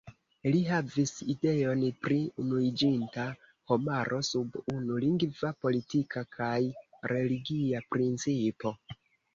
Li havis ideon pri unuiĝinta homaro sub unu lingva, politika kaj religia principo.